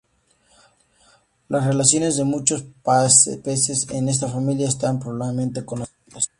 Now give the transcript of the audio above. Las relaciones de muchos peces en esta familia están pobremente conocidas.